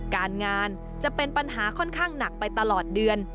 การงานจะเป็นปัญหาค่อนข้างหนักไปตลอดเดือน